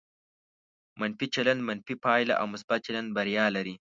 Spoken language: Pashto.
منفي چلند منفي پایله او مثبت چلند بریا لري.